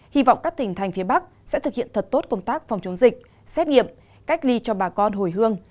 hy vọng các tỉnh thành phía bắc sẽ thực hiện thật tốt công tác phòng chống dịch xét nghiệm cách ly cho bà con hồi hương